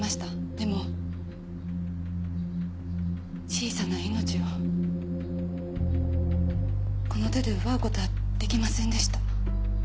でも小さな命をこの手で奪う事は出来ませんでした。